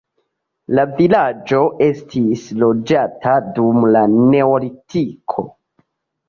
La vilaĝo estis loĝata dum la neolitiko.